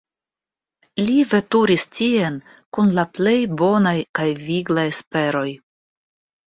Li veturis tien kun la plej bonaj kaj viglaj esperoj.